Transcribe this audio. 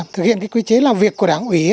thực hiện quy chế làm việc của đảng quỷ